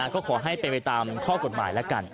ขอให้เข้าไปตามข้อกฎหมายละกัน